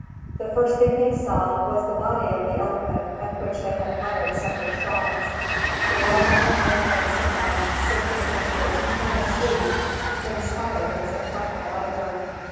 The first thing they saw, was the body of the elephant at which they had fired so many shots. The animal had at length succumbed, sinking into its eternal sleep in spite of its implacable anger.